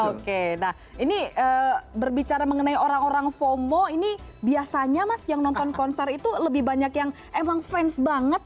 oke nah ini berbicara mengenai orang orang fomo ini biasanya mas yang nonton konser itu lebih banyak yang emang fans banget